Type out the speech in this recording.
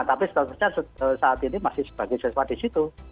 tapi statusnya saat ini masih sebagai siswa di situ